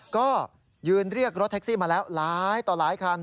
ก็ยืนเรียกรถแท็กซี่มาแล้วหลายต่อหลายคัน